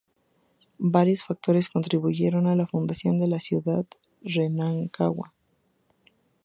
Varios factores contribuyeron a la fundación de la ciudad de Rancagua.